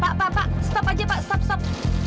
pak pak pak stop aja pak stop stop